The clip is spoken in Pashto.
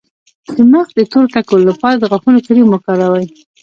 د مخ د تور ټکو لپاره د غاښونو کریم وکاروئ